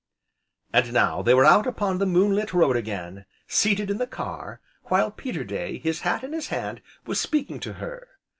And now, they were out upon the moon lit road again, seated in the car, while Peterday, his hat in his hand, was speaking to her.